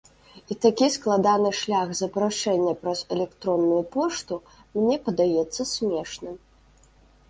І такі складаны шлях запрашэння праз электронную пошту мне падаецца смешным.